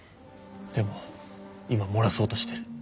でも今漏らそうとしてる。